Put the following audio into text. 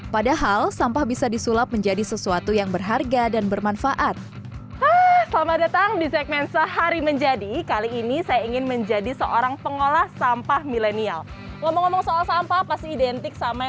padahal sampah bisa disulap menjadi sesuatu yang berharga dan bermanfaat